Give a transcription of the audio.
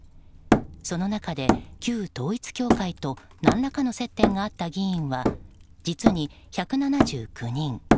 その中で旧統一教会と何らかの接点があった議員は実に１７９人。